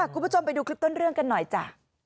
คุณผู้ชมไปดูคลิปต้นเรื่องกันหน่อยจ้ะ